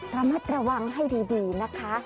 ระมัดระวังให้ดีนะคะ